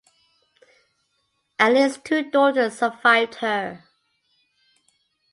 At least two daughters survived her.